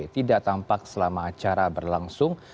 tidak tampak selama acara berlangsung